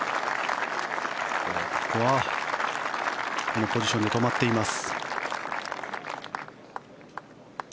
このポジションで止まっています。